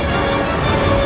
kau harus berhenti